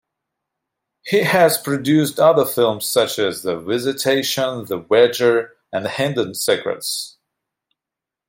He has produced other films such as "The Visitation", "The Wager", and "Hidden Secrets".